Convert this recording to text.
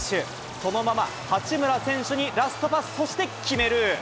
そのまま八村選手にラストパス、そして決める。